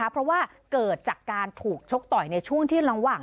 เพราะว่าเกิดจากการถูกชกต่อยในช่วงที่ระหว่าง